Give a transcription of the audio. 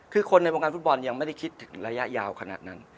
คือคนในวงการฟุตบอลยังไม่ได้คิดถึงระยะยาวขนาดนั้น